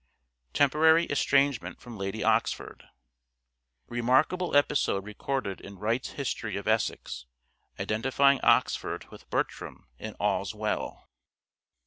Temporary estrangement from Lady Oxford. Remarkable episode recorded in Wright's History of Essex identifying Oxford with Bertram in " All's Well."